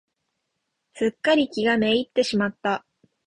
すっかり気が滅入ってしまった。